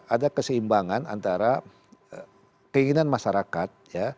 ada keseimbangan antara keinginan masyarakat